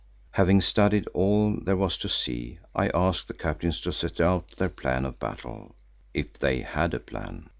Having studied all there was to see I asked the captains to set out their plan of battle, if they had a plan.